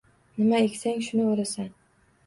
Nima eksang, shuni o'rasan.